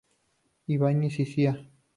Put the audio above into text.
Ibáñez y Cía.